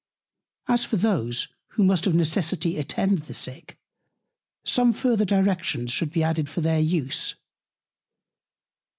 As for those, who must of necessity attend the Sick; some further Directions should be added for their Use.